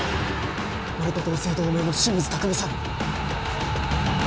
俺と同姓同名の清水拓海さん